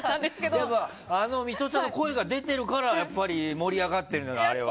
やっぱ、ミトちゃんの声が出てるからやっぱり盛り上がったのよ、あれ。